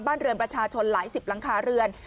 บ้านเรือนประชาชนหลายสิบหลังคาเรือน